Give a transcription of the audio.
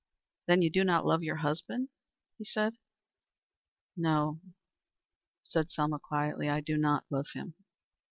"Then you do not love your husband?" he said. "No," said Selma quietly, "I do not love him.